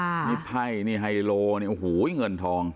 นี่ไพ่นี่ไฮโลเนี่ยโอ้โหเงินทอง